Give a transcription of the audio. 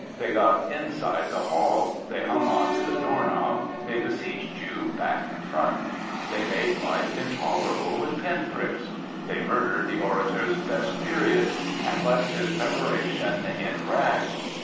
They got inside the hall; they hung on to the door knob; they besieged you back and front. They made life intoler able with pin pricks. They murdered the orator's best periods, and left his peroration in rags.